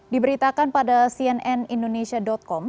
diberitakan pada cnn indonesia com